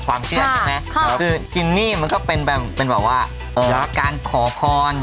บางชั้นนะครับคือจินมี่มันก็เป็นแบบเป็นแหวะว่าร้อนการขอพร